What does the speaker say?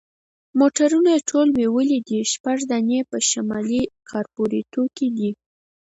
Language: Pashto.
موټرونه یې ټول بیولي دي، شپږ دانې په شمالي کارپوریتو کې دي.